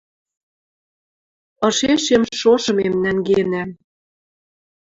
Ышешем шошымем нӓнгенӓм